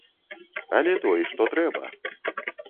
Але той, што трэба!